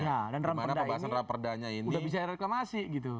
ya dan ranperda ini sudah bicara reklamasi gitu